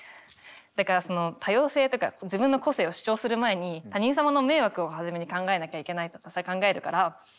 だからその多様性とか自分の個性を主張する前に他人様の迷惑を初めに考えなきゃいけないって私は考えるから。